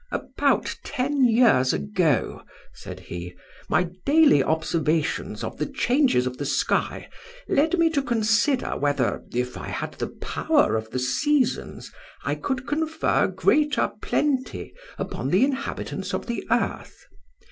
"'About ten years ago,' said he, 'my daily observations of the changes of the sky led me to consider whether, if I had the power of the seasons, I could confer greater plenty upon the inhabitants of the earth.